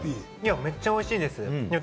めっちゃおいしいです。